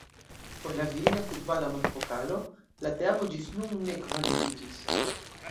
Por la Virina Futbala Mondpokalo la teamo ĝis nun ne kvalifikiĝis.